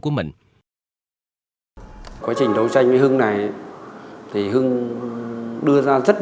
ừ mình có chụp điện của nhà đấy